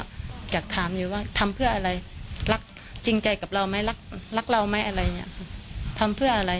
มาจากคาวนี้ว่าทำเพื่ออะไรรักจริงใจกับเรามั้ยรักเราั้งมั้ยทำเพื่ออะไร